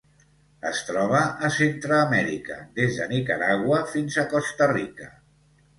Es troba a Centreamèrica: des de Nicaragua fins a Costa Rica.